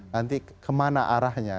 nanti kemana arahnya